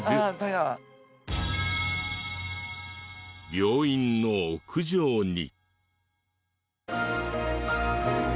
病院の屋上に。